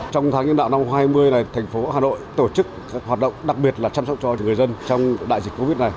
trong tháng nhân đạo năm hai nghìn thành phố hà nội tổ chức hoạt động đặc biệt là chăm sóc cho người dân trong đại dịch covid này